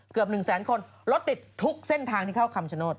๑แสนคนรถติดทุกเส้นทางที่เข้าคำชโนธ